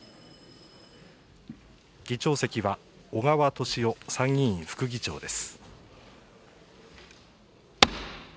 議長席は小川敏夫参議院副議長です。